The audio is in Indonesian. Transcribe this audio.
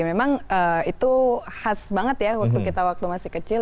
memang itu khas banget ya waktu kita waktu masih kecil